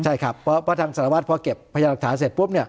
ใช่ครับเพราะทางสารวัตรพอเก็บพยาหลักฐานเสร็จปุ๊บเนี่ย